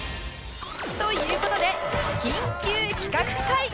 という事で緊急企画会議